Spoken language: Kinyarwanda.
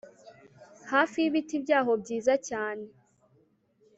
Hafi y ibiti byaho byiza cyane